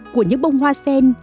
của những bông hoa sen